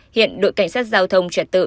hiện đội cảnh sát giao thông trật tự